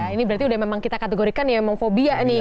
ini berarti udah memang kita kategorikan ya memang fobia nih